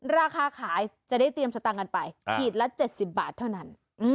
ราคาขายจะได้เตรียมสตางค์กันไปขีดละ๗๐บาทเท่านั้น